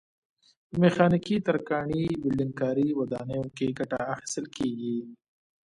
په میخانیکي، ترکاڼۍ، ولډنګ کاري، ودانیو کې ګټه اخیستل کېږي.